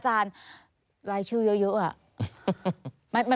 จานรายชื่อเยอะอ่ะ